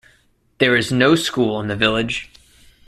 There is no school in the village.